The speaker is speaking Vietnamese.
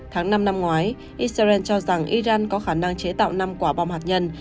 tháng năm năm ngoái israel cho rằng iran có khả năng chế tạo năm quả bom hạt nhân